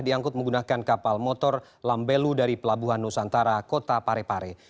diangkut menggunakan kapal motor lambelu dari pelabuhan nusantara kota parepare